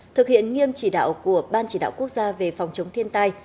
thực hiện nghiêm chỉ đạo của ban chỉ đạo quốc gia về phòng chống thiên tai